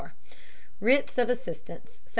Writs of Assistance, 1761.